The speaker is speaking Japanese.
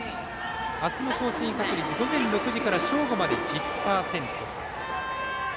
あすの降水確率午前６時から正午まで１０％。